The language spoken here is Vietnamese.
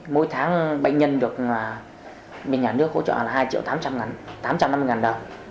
mỗi tháng bệnh nhân được nhà nước hỗ trợ là hai tám trăm linh đồng